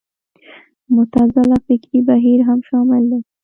معتزله فکري بهیر هم شامل دی